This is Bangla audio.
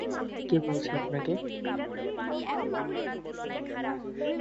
কে বলেছে আপনাকে?